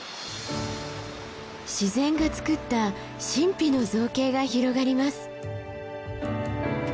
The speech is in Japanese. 自然がつくった神秘の造形が広がります。